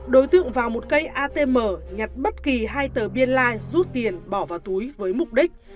đối tượng vào một cây atm nhặt bất kỳ hai tờ biên lai rút tiền bỏ vào túi với mục đích